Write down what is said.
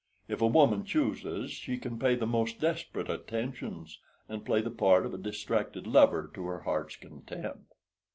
If a woman chooses she can pay the most desperate attentions, and play the part of a distracted lover to her heart's content.